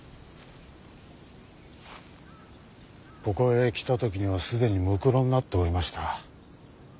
ここへ来た時には既にむくろになっておりました。